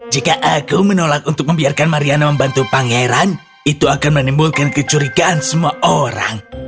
jika aku menolak untuk membiarkan mariana membantu pangeran itu akan menimbulkan kecurigaan semua orang